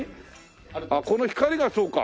あっこの光がそうか。